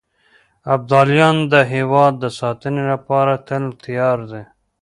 ابداليان د هېواد د ساتنې لپاره تل تيار دي.